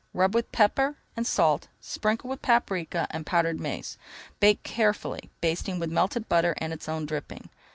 Rub with pepper and salt and sprinkle with paprika and powdered mace. Bake carefully, basting with melted butter and its own dripping.